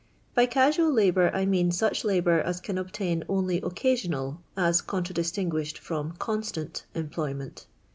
By catual labour I mean such labour as can obtain only occasional as contradistinguished from constant employment.